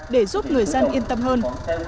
để giúp người dân yên tâm hơn